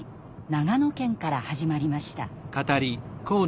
長野県から始まりました。